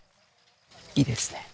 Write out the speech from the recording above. いいですね。